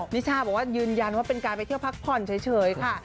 นิชาบอกว่ายืนยันว่าเป็นการไปเที่ยวพักผ่อนเฉยค่ะ